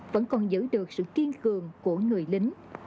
vẫn còn giữ được sự kiên cường của người lính